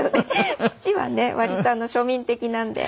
父はね割と庶民的なので。